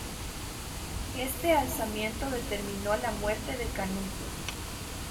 Este alzamiento determinó la muerte de Canuto.